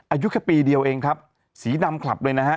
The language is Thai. อายุแค่ปีเดียวเองครับสีดำคลับเลยนะฮะ